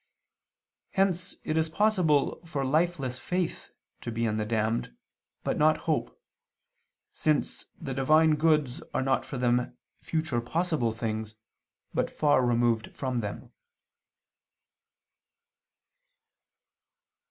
Hence it is possible for lifeless faith to be in the damned, but not hope, since the Divine goods are not for them future possible things, but far removed from them.